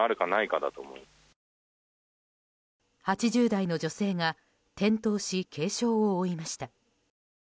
８０代の女性が転倒し軽傷を負いました。